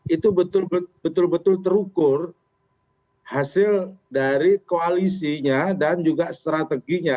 itu betul betul terukur hasil dari koalisinya dan juga strateginya